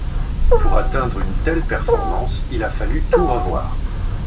Pour atteindre une telle performance, il a fallu tout revoir.